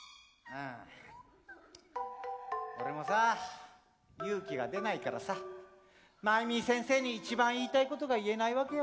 あ俺もさ勇気が出ないからさマイミー先生に一番言いたいことが言えないわけよ。